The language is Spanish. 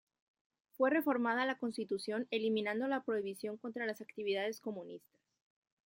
Fue reformada la Constitución eliminando la prohibición contra las actividades comunistas.